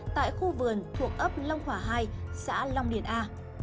tại khu vườn thuộc ấp long hỏa hai xã long điển a